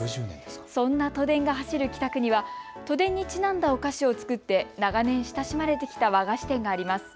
そんな都電が走る北区には都電にちなんだお菓子を作って長年親しまれてきた和菓子店があります。